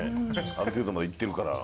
ある程度までいってるから。